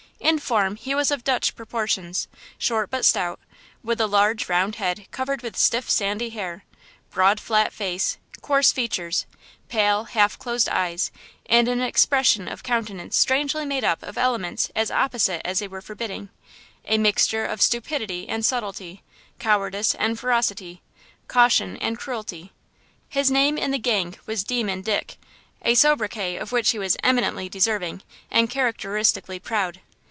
In form he was of Dutch proportions, short but stout, with a large, round head covered with stiff, sandy hair; broad, flat face; coarse features, pale, half closed eyes, and an expression of countenance strangely made up of elements as opposite as they were forbidding–a mixture of stupidity and subtlety, cowardice and ferocity, caution and cruelty. His name in the gang was Demon Dick, a sobriquet of which he was eminently deserving and characteristically proud.